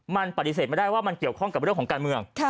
มันปฏิเสธไม่ได้ว่ามันเกี่ยวข้องกับเรื่องของการเมือง